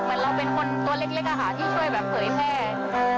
เหมือนเราเป็นคนตัวเล็กที่ช่วยแบบเผยแพร่